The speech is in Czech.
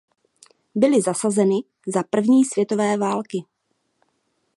Byly zasazeny za první světové války.